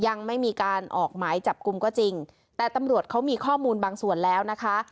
ยังไม่มีการออกหมายจับกลุ่มก็จริงแต่ตำรวจเขามีข้อมูลบางส่วนแล้วนะคะ